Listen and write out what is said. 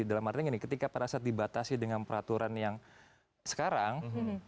dalam arti gini ketika pada saat dibatasi dengan peraturan yang sekarang